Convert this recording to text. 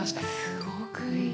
すごくいい。